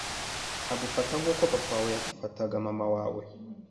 agufata nkuko papa wawe yafataga mama wawe